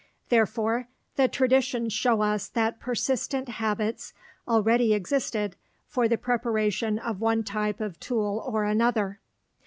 Therefore, the traditions show us that persistent habits already existed for the preparation of one type of tool or another.